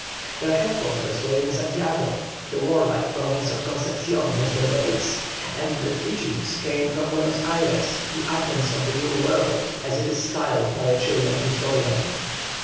Their head quarters were in Santiago, the warlike Province of Concepcion was their base, and their teaching came from Buenos Ayres, "the Athens of the New World," as it is styled by a Chilian historian.